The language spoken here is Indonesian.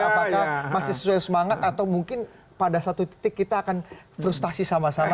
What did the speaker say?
apakah masih sesuai semangat atau mungkin pada satu titik kita akan frustasi sama sama